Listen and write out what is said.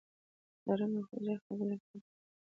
بدرنګه خوږې خبرې له فریب ډکې وي